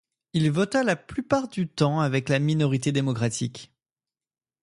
Il vota la plupart du temps avec la minorité démocratique.